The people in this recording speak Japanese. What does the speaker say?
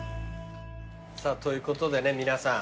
さぁということでね皆さん